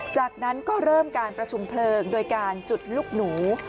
จากนั้นก็เริ่มการประชุมเพลิงโดยการจุดลูกหนู